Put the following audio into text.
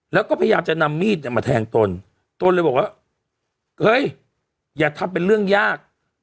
แล้วก็พยายามจะนำมีดมาแทงตนตนเลยบอกว่าเฮ้ยอย่าทำเป็นเรื่องยาก